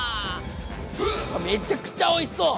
めちゃくちゃおいしそう！